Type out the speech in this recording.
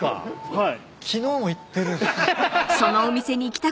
はい。